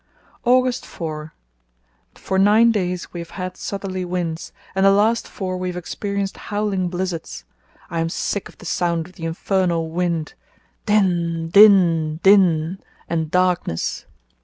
"August 4.—For nine days we have had southerly winds, and the last four we have experienced howling blizzards. I am sick of the sound of the infernal wind. Din! Din! Din! and darkness.